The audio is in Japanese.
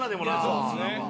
そうですね。